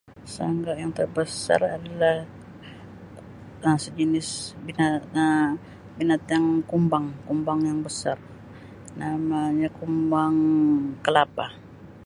Serangga yang terbesar adalah Um sejenis bina-a-binatang kumbang kumbang yang besar namanya kumbang kelapa.